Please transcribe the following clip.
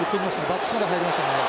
バックスまで入りましたね。